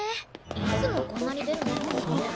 いつもこんなに出るの？